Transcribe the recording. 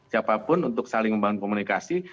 siapapun untuk saling membangun komunikasi